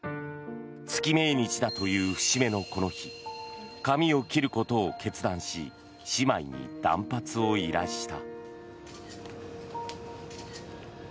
月命日だという節目のこの日髪を切ることを決断し姉妹に断髪を依頼した。